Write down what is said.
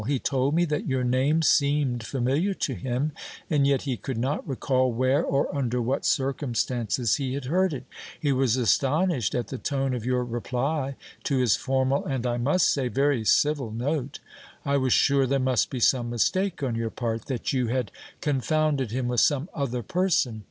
He told me that your name seemed familiar to him and yet he could not recall where or under what circumstances he had heard it. He was astonished at the tone of your reply to his formal and, I must say, very civil note. I was sure there must be some mistake on your part, that you had confounded him with some other person.